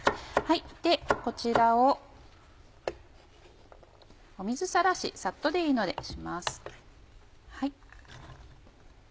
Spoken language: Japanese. こちらを水さらしサッとでいいのでします。